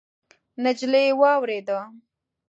نجلۍ واورېده.